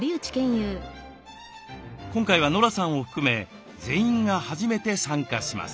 今回はノラさんを含め全員が初めて参加します。